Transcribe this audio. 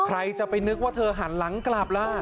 ใครจะไปนึกว่าเธอหันหลังกลับล่ะ